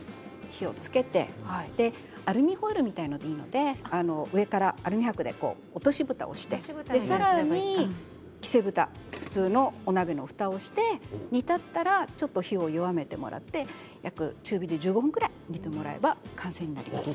火をつけてアルミホイルみたいなものでいいので上からアルミはくで落としぶたをしてさらにきせぶた普通のお鍋のふたをして煮立ったら火を弱めてもらって中火で１５分ぐらい煮てもらえば完成になります。